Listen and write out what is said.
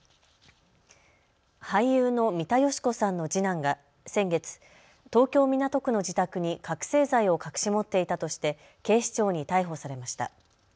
俳優の三田佳子さんの次男が先月、東京港区の自宅に覚醒剤を隠し持っていたとして警視庁に逮捕されました。